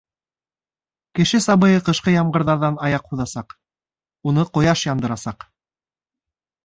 — Кеше сабыйы ҡышҡы ямғырҙарҙан аяҡ һуҙасаҡ, уны ҡояш яндырасаҡ!